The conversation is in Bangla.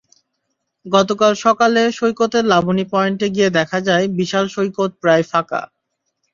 গতকাল সকালে সৈকতের লাবণী পয়েন্টে গিয়ে দেখা যায়, বিশাল সৈকত প্রায় ফাঁকা।